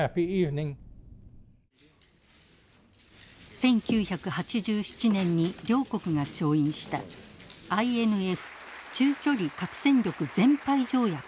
１９８７年に両国が調印したＩＮＦ中距離核戦力全廃条約です。